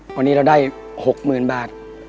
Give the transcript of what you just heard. วันนี้เราได้๖หมื่นบาท